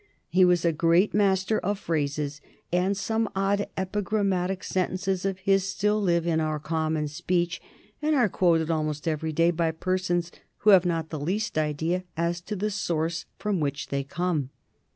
He was a great master of phrases, and some odd epigrammatic sentences of his still live in our common speech, and are quoted almost every day by persons who have not the least idea as to the source from which they come.